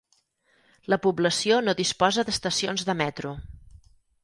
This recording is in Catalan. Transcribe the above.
La població no disposa d'estacions de metro.